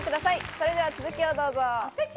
それでは続きをどうぞ。